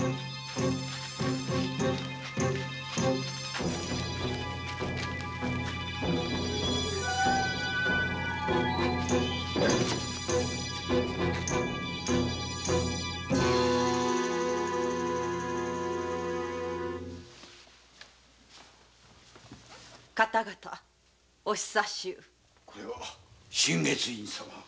これは心月院様。